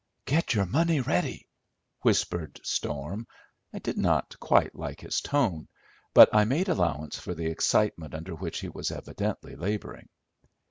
"Get your money ready," whispered Storm to I did not quite like his tone, but I made allowance for the excitement under which he was evidently labouring.